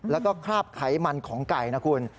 แล้วก็คราบไขมันของไก่นะคุณ